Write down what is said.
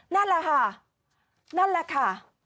นั่นแหละค่ะนั่นแหละค่ะ